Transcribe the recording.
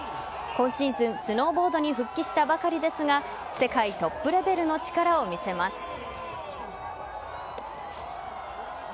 今シーズン、スノーボードに復帰したばかりですが世界トップレベルの力を見せます。